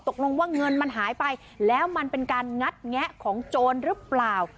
ตกลงว่าเงินมันหายไปแล้วมันเป็นการงัดแงะของโจรหรือเปล่า